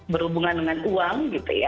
berhubungan dengan uang gitu ya